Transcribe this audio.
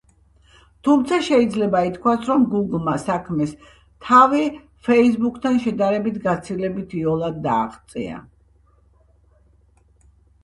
თუმცა, შეიძლება ითქვას, რომ „გუგლმა“ საქმეს თავი „ფეისბუქთან“ შედარებით, გაცილებით იოლად დააღწია.